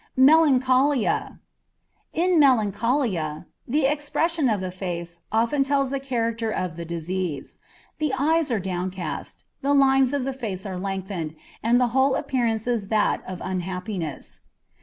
Melancholia. In melancholia the expression of the face often tells the character of the disease; the eyes are downcast, the lines of the face are lengthened, and the whole appearance is that of unhappiness.